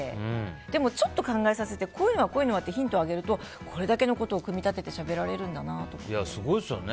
でもちょっと考えさせてこういうのは？ってヒントをあげるとこれだけのことを組み立ててすごいですよね。